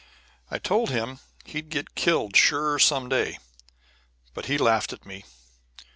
I told him he'd get killed sure some day, but he laughed at me.